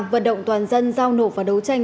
vận động toàn dân giao nộp và đấu tranh